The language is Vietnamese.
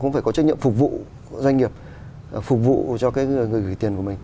cũng phải có trách nhiệm phục vụ doanh nghiệp phục vụ cho người gửi tiền của mình